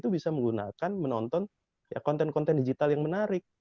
bisa menggunakan menonton konten konten digital yang menarik